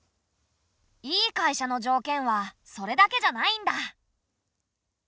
いい会社の条件はそれだけじゃないんだ。